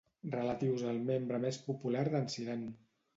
Relatius al membre més popular d'en Cyrano.